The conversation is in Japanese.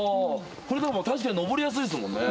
これでも確かに登りやすいですもんね